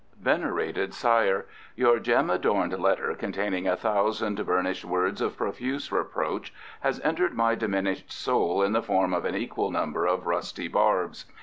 Venerated Sire, Your gem adorned letter containing a thousand burnished words of profuse reproach has entered my diminished soul in the form of an equal number of rusty barbs.